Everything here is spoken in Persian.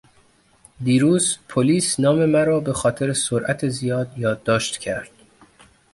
دیروز پلیس نام مرا به خاطر سرعت زیاد یادداشت کرد.